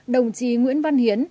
đồng chí nguyễn văn hiến